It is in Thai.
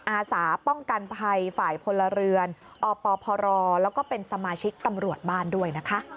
อาสาป้องกันภัยฝ่ายพลเรือนอปพรแล้วก็เป็นสมาชิกตำรวจบ้านด้วยนะคะ